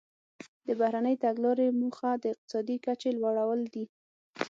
د بهرنۍ تګلارې موخه د اقتصادي کچې لوړول دي